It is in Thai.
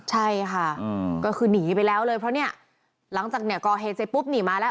ใช่ค่ะก็คือหนีไปแล้วเลยเพราะเนี่ยหลังจากเนี่ยก่อเหตุเสร็จปุ๊บหนีมาแล้ว